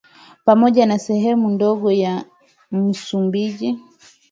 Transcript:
pamoja na sehemu ndogo ya Msumbiji